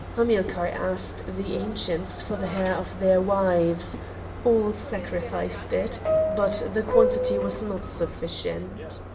Hamilcar asked the Ancients for the hair of their wives; all sacrificed it, but the quantity was not sufficient.